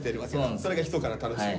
それがひそかな楽しみ。